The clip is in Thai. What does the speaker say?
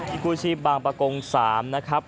กู้ชีพบางประกง๓นะครับ